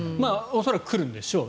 恐らく来るんでしょう。